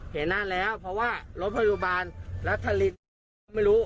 เห็นน่าดแล้วเพราะว่ารถโภรุบาลและทะลิีไม่รู้